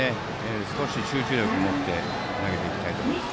少し集中力を持って投げていきたいです。